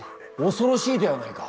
恐ろしいではないか。